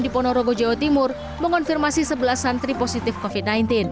di ponorogo jawa timur mengonfirmasi sebelas santri positif covid sembilan belas